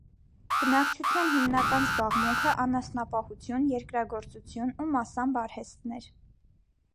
Բնակչության հիմնական զբաղմունքը անասնապահություն, երկրագործություն ու մասամբ արհեստներն էր։